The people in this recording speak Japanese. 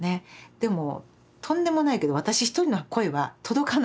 でもとんでもないけど私一人の声は届かない届かなかった。